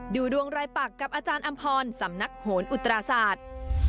ดูดวงรายปักกับอาจารย์อำพรสำนักโหนอุตราศาสตร์